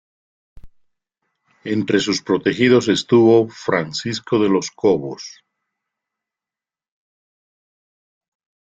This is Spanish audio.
Entre sus protegidos estuvo Francisco de los Cobos.